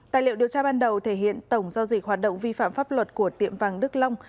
tài liệu điều tra ban đầu thể hiện tổng giao dịch hoạt động vi phạm pháp luật của tiệm vàng đức long